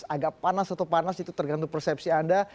agak panas atau panas itu tergantung persepsi anda